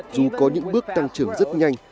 dù có những bước tăng trưởng rất nhanh